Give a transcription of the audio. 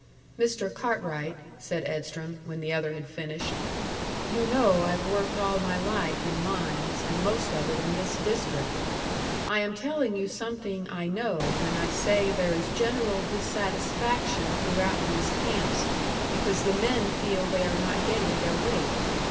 "Mr. Cartwright," said Edstrom, when the other had finished, "you know I've worked all my life in mines, and most of it in this district. I am telling you something I know when I say there is general dissatisfaction throughout these camps because the men feel they are not getting their weight.